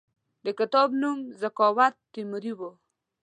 د کتاب نوم تزوکات تیموري وو.